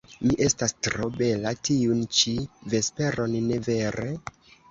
Mi estas tro bela tiun ĉi vesperon, ne vere?